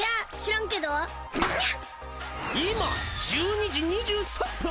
１２時２３分！